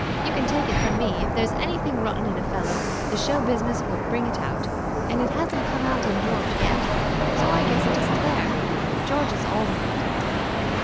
You can take it from me, if there's anything rotten in a fellow, the show business will bring it out, and it hasn't come out in George yet, so I guess it isn't there. George is all right!"